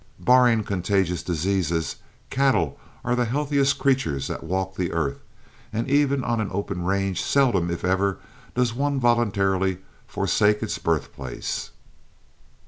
Barring contagious diseases, cattle are the healthiest creatures that walk the earth, and even on an open range seldom if ever does one voluntarily forsake its birthplace.